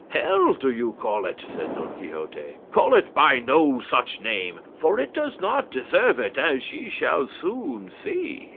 "Hell do you call it?" said Don Quixote; "call it by no such name, for it does not deserve it, as ye shall soon see."